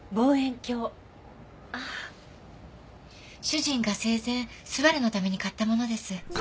主人が生前昴のために買ったものです。